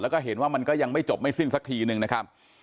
แล้วก็เห็นว่ามันก็ยังไม่จบไม่สิ้นสักทีนึงนะครับ